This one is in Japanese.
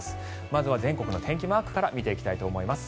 まずは全国の天気マークから見ていきたいと思います。